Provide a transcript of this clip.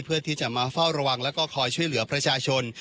เพื่อที่จะมาเฝ้าระวังแล้วก็คอยช่วยเหลือประชาชน